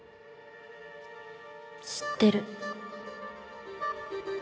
知ってる。